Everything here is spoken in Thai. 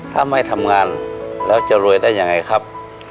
ถ้าไม่ทำงานแล้วจะรวยได้ยังไงครับ